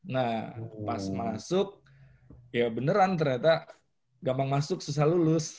nah pas masuk ya beneran ternyata gampang masuk susah lulus